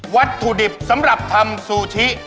วัตถุดิบสำหรับทำซูชิ